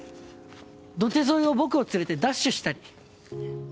土手沿いを僕を連れてダッシュしたり。